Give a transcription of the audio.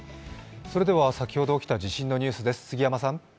先ほど起きた地震のニュースです、杉山さん。